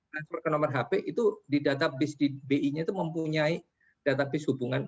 transfer ke nomor hp itu di database di bi nya itu mempunyai database hubungan